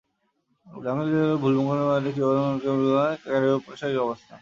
মার্কিন যুক্তরাষ্ট্রের মূল ভূ-খণ্ডের বাইরে কিউবার দক্ষিণ-পূর্ব পাশে ক্যারিবীয় সাগরে এর অবস্থান।